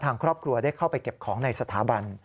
ทางครอบครัวได้เข้าไปเก็บของในสถาบัน